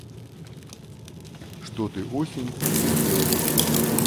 Что ты, осень, наделала с нами?